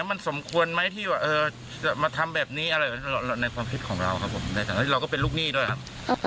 มันสมควรไหมที่จะมาทำแบบนี้อะไรในความคิดของเราก็เป็นลูกหนี้ด้วยครับ